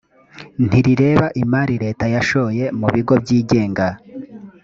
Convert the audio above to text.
ntirireba imari leta yashoye mu bigo byigenga